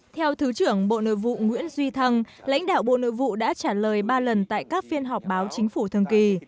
theo thứ trưởng bộ nội vụ nguyễn duy thăng lãnh đạo bộ nội vụ đã trả lời ba lần tại các phiên họp báo chính phủ thường kỳ